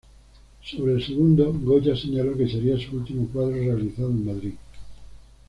Sobre el segundo, Goya señaló que sería su último cuadro realizado en Madrid.